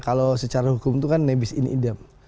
kalau secara hukum itu kan nebis in idem